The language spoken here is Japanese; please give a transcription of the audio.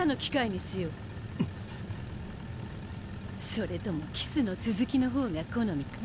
それともキスの続きの方が好みか？